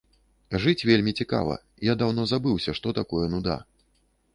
Жыць вельмі цікава, я даўно забыўся, што такое нуда.